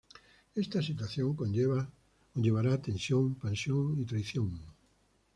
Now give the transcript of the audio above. Esta situación conllevará tensión, pasión y traición.